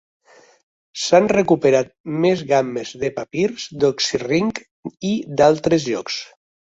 S'han recuperat més gammes de papirs d'Oxirrinc i d'altres llocs.